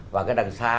và cái đằng xa